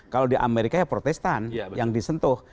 kalau di amerika ya protestan yang disentuh